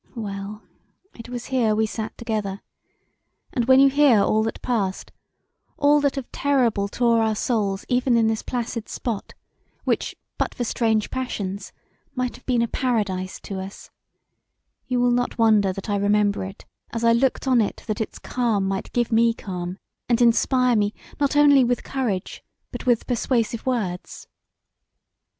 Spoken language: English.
Well it was here we sat together, and when you hear all that past all that of terrible tore our souls even in this placid spot, which but for strange passions might have been a paradise to us, you will not wonder that I remember it as I looked on it that its calm might give me calm, and inspire me not only with courage but with persuasive words.